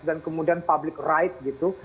dan kemudian public right gitu